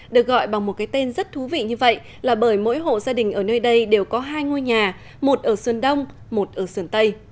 được gọi bằng một cái tên rất thú vị như vậy là bởi mỗi hộ gia đình ở nơi đây đều có hai ngôi nhà một ở sơn đông một ở sơn tây